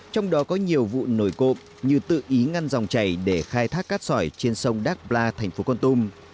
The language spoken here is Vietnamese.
trong đó có nhiều vụ nổi cộm như tự ý ngăn dòng chảy để khai thác cắt sỏi trên sông đác pla thành phố con tum